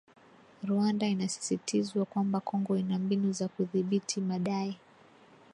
Rwanda inasisitizIwa kwamba Kongo ina mbinu za kuthibitisha madai